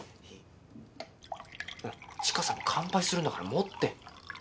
知花さん乾杯するんだから持って。